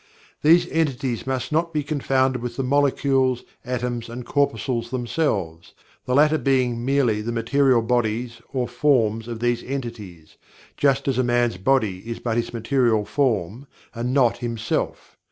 These entities must not be confounded with the molecules, atoms and corpuscles themselves, the latter being merely the material bodies or forms of these entities, just as a man's body is but his material form and not "himself."